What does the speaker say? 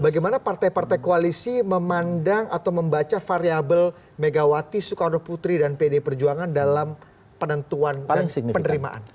bagaimana partai partai koalisi memandang atau membaca variabel megawati soekarno putri dan pd perjuangan dalam penentuan dan penerimaan